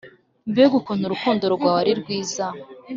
Mbega ukuntu urukundo rwawe ari rwiza,